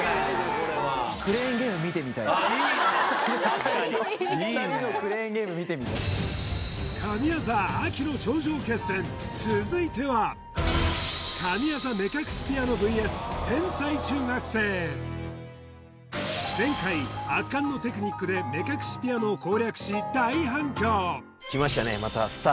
確かにいいいい２人のクレーンゲーム見てみたい続いては前回圧巻のテクニックで目隠しピアノを攻略し大反響きましたね